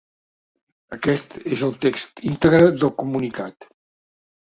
Aquest és el text integre del comunicat.